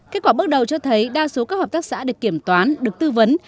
kết quả bước đầu cho thấy đa số các hợp tác xã được kiểm toán được tư vấn